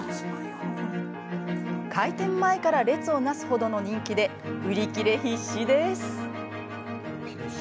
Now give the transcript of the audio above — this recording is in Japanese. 開店前から列をなすほどの人気で売り切れ必至です。